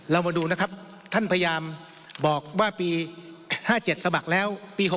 เรามาดูนะครับท่านพยายามบอกว่าปี๕๗สมัครแล้วปี๖๖